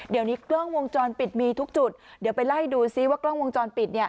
เดี๋ยวนี้กล้องวงจรปิดมีทุกจุดเดี๋ยวไปไล่ดูซิว่ากล้องวงจรปิด